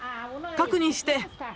確認して。